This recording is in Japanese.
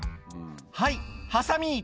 「はいハサミ」